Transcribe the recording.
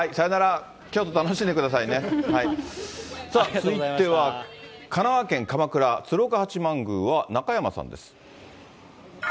続いては神奈川県鎌倉、鶴岡八幡宮は中山さんです。